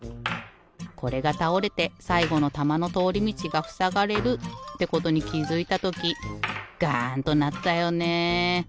これがたおれてさいごのたまのとおりみちがふさがれるってことにきづいたときガンとなったよねえ。